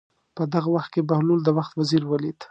په دغه وخت کې بهلول د وخت وزیر ولید.